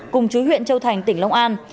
cùng chú huyện châu thành tỉnh long an